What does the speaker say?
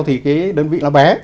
thì cái đơn vị nó bé